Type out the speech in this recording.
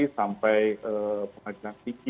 sampai pengadilan siki